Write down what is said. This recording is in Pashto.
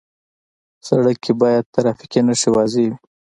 سړک کې باید ټرافیکي نښې واضح وي.